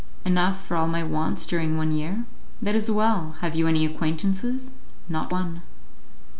"Enough for all my wants during one year." "That is well. Have you any acquaintances?" "Not one."